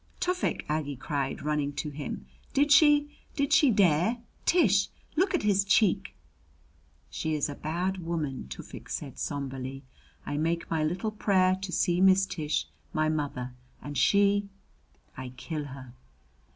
"Tufik!" Aggie cried, running to him. "Did she did she dare Tish, look at his cheek!" "She is a bad woman!" Tufik said somberly. "I make my little prayer to see Miss Tish, my mother, and she I kill her!"